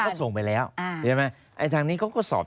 แล้วก็ส่งไปแล้วเห็นไหมไอทางนี้เขาก็สอบ